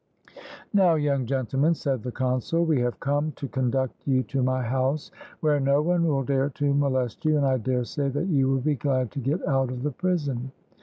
"Now, young gentlemen," said the consul, "we have come to conduct you to my house, where no one will dare to molest you, and I daresay that you will be glad to get out of the prison."